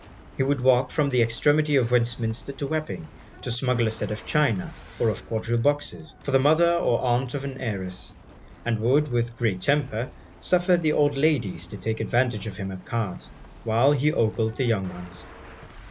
He would walk from the extremity of Westminster to Wapping, to smuggle a set of china or of quadrille boxes, for the mother or aunt of an heiress; and would, with great temper, suffer the old ladies to take advantage of him at cards, while he ogled the young ones.